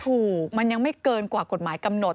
ถูกมันยังไม่เกินกว่ากฎหมายกำหนด